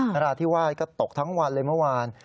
นราธิวาสก็ตกทั้งวันเลยเมื่อวาน